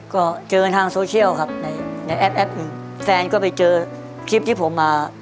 ก็เจอทางโซเชียลครับในแอปแอปแฟนก็ไปเจอคลิปที่ผมมา